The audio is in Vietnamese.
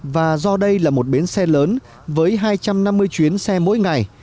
và do đây là một bến xe lớn với hai trăm năm mươi chuyến xe mỗi ngày